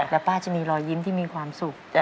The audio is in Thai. แล้วป้าจะมีรอยยิ้มที่มีความสุข